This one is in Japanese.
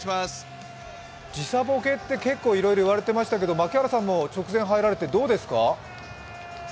時差ぼけって結構言われていましたけど槙原さんも直前に入られてどうですか？